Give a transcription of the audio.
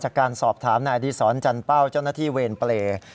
จากการสอบถามนายอดีศรจันเป้าเจ้าหน้าที่เวรเปรย์